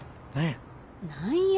何や？